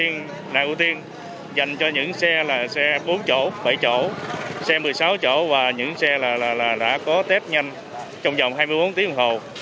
làng thứ ba là làng ưu tiên dành cho những xe là xe bốn chỗ bảy chỗ xe một mươi sáu chỗ và những xe là đã có tết nhanh trong vòng hai mươi bốn tiếng hồng hồ